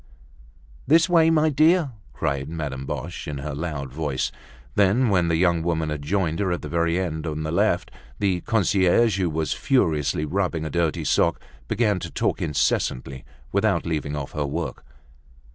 "This way, my dear!" cried Madame Boche, in her loud voice. Then, when the young woman had joined her at the very end on the left, the concierge, who was furiously rubbing a dirty sock, began to talk incessantly, without leaving off her work.